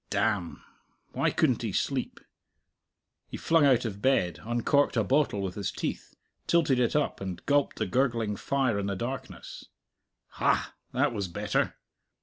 Damn! Why couldn't he sleep? He flung out of bed, uncorked a bottle with his teeth, tilted it up, and gulped the gurgling fire in the darkness. Ha! that was better.